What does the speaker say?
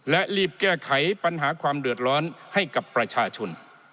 และรีบแก้ไขปัญหาความเดือดร้อนให้กับประชาชน